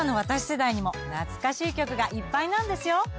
世代にも懐かしい曲がいっぱいなんですよ。